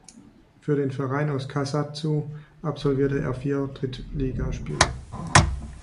Für den Verein aus Kusatsu absolvierte er vier Drittligaspiele.